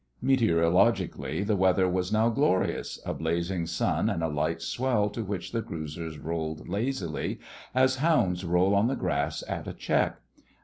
Meteorologically the weather was now glorious—a blazing sun, and a light swell to which the cruisers rolled lazily, as hounds roll on the grass at a check.